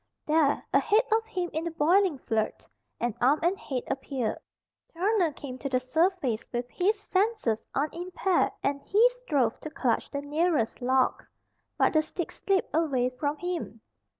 There, ahead of him in the boiling flood, an arm and head appeared. Turner came to the surface with his senses unimpaired and he strove to clutch the nearest log. But the stick slipped away from him.